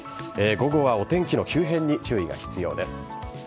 午後はお天気の急変に注意が必要です。